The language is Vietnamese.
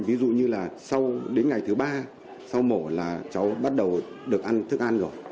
ví dụ như là sau đến ngày thứ ba sau mổ là cháu bắt đầu được ăn thức ăn rồi